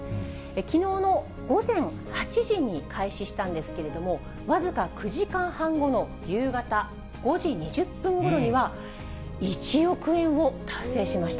きのうの午前８時に開始したんですけれども、僅か９時間半後の夕方５時２０分ごろには、１億円を達成しました。